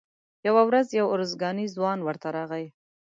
یوه ورځ یو ارزګانی ځوان ورته راغی.